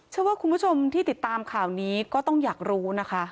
เชื่อว่าคุณผู้ชมที่ติดตามข่าวนี้ก็ต้องอยากรู้นะคะ